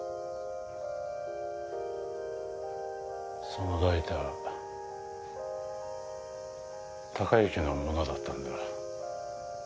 そのライター孝之のものだったんだ。